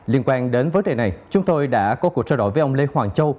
liên quan đến vấn đề này chúng tôi đã có cuộc trao đổi với ông lê hoàng châu